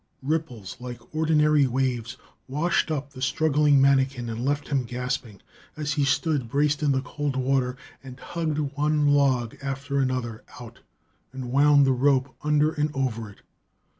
Ripples like ordinary waves washed up the struggling manikin and left him gasping as he stood braced in the cold water and tugged one log after another out and wound the rope under and over it.